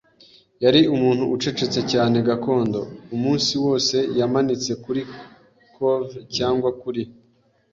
Yari umuntu ucecetse cyane gakondo. Umunsi wose yamanitse kuri cove cyangwa kuri